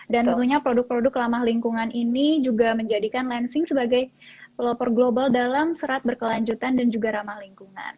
dan tentunya produk produk ramah lingkungan ini juga menjadikan lensing sebagai pelopor global dalam serat berkelanjutan dan juga ramah lingkungan